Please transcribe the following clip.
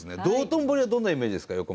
道頓堀はどんなイメージですか？